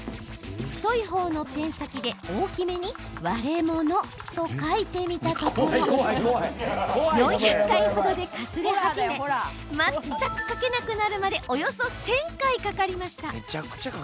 太い方のペン先で大きめにワレモノと書いてみたところ４００回程で、かすれ始め全く書けなくなるまでおよそ１０００回かかりました。